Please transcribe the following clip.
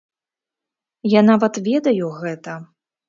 Я нават ведаю гэта!